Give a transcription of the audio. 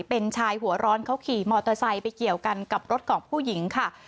เป็นชายหัวร้อนเขาขี่มอเตอร์ไซค์ไปเกี่ยวกันกับรถของผู้หญิงค่ะ